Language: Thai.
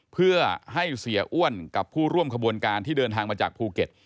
เพื่อให้เสียอ้วนกับผู้ร่วมขบวนการที่เดินทางมาจากภูเก็ต